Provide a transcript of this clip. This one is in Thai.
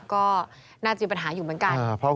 ก็น่าจะมีปัญหาอยู่เหมือนกัน